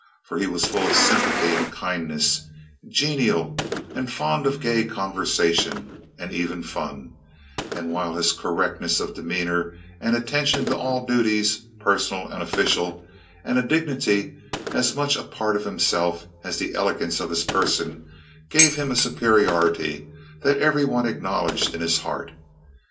For he was full of sympathy and kindness, genial and fond of gay conversation, and even of fun, while his correctness of demeanor and attention to all duties, personal and official, and a dignity as much a part of himself as the elegance of his person, gave him a superiority that every one acknowledged in his heart.